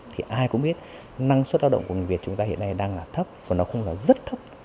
thì ai cũng biết năng suất lao động của người việt chúng ta hiện nay đang là thấp và nó không là rất thấp